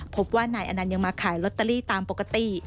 พบว่านายอนันต์ยังมาขายลอตเตอรี่ตามปกติ